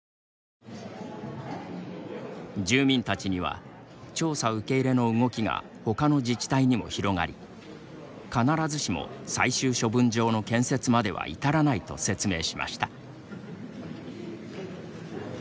住民たちには調査受け入れの動きがほかの自治体にも広がり必ずしも最終処分場の建設までは至らないと説明しました。